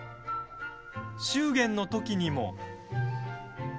祝言の時にも。